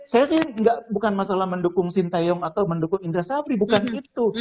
saya sih bukan masalah mendukung sinteyong atau mendukung indra safri bukan itu